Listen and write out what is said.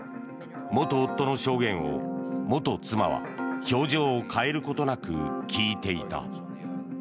元夫の証言を元妻は表情を変えることなく聞いていた。